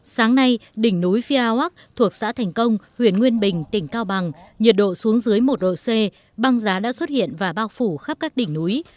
sáng nay đỉnh núi phía awark thuộc xã thành công huyện nguyên bình tỉnh cao bằng nhiệt độ xuống dưới một độ c băng giá đã xuất hiện và bao phủ khắp các đỉnh núi